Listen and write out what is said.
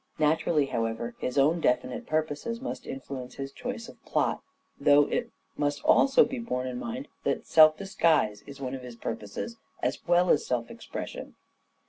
Naturally, however, his own definite purposes must influence his choice of plot : though it must also be borne in mind that self disguise is one of his purposes as well as self expression.